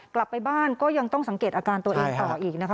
กลับไปบ้านก็ยังต้องสังเกตอาการตัวเองต่ออีกนะคะ